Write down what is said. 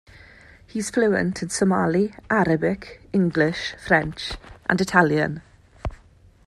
He is fluent in Somali, Arabic, English, French, and Italian.